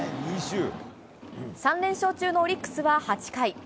３連勝中のオリックスは８回。